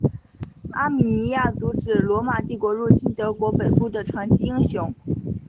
阿米尼亚阻止罗马帝国入侵德国北部的传奇英雄。